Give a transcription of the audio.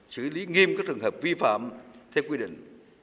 xử lý nghiêm các trường hợp vi phạm theo quy định